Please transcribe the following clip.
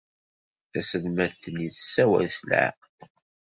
Taselmadt-nni tessawal s leɛqel.